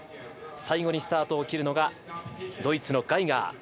最後にスタートすいるのがドイツのガイガー。